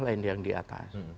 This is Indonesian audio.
lain yang di atas